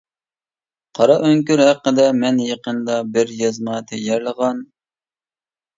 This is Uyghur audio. قارا ئۆڭكۈر ھەققىدە مەن يېقىندا بىر يازما تەييارلىغان.